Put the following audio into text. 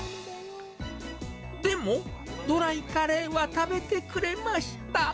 でも、ドライカレーは食べてくれました。